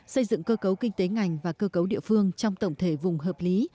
xây dựng cơ cấu kinh tế ngành và cơ cấu địa phương trong tổng thể vùng hợp lý